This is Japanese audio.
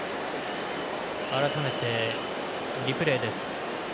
改めて、リプレーです。